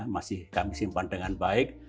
masih kami simpan dengan baik